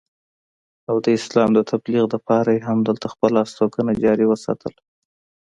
او د اسلام د تبليغ دپاره ئې هم دلته خپله استوګنه جاري اوساتله